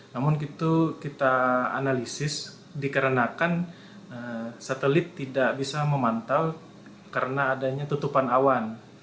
namun itu kita analisis dikarenakan satelit tidak bisa memantau karena adanya tutupan awan